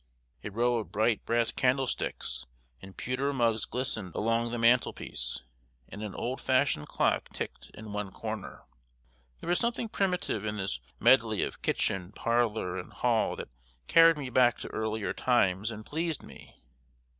A row of bright brass candlesticks and pewter mugs glistened along the mantelpiece, and an old fashioned clock ticked in one corner. There was something primitive in this medley of kitchen, parlor, and hall that carried me back to earlier times, and pleased me.